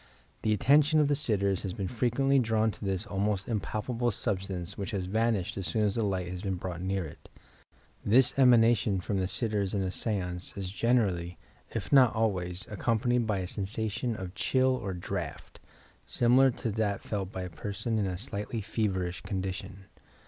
The attention of the sitters has been frequently drawn to this almost impalpable sub stance which has vanished as soon as the light has been brought near it, ... This emanation from the sitters in a seance is generally, if not always, accompanied by a sensation of chill or draft, similar to that felt by a per son in a slightly feverish condition.